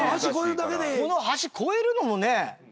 この橋越えるのもね。